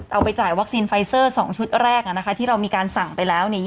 เอาไปจ่ายวัคซีนไฟเซอร์๒ชุดแรกที่เรามีการสั่งไปแล้ว